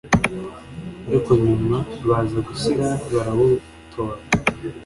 ariko nyuma baza gushyira barawutora